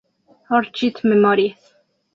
Orchid Memories.